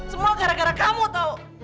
semua gara gara kamu tahu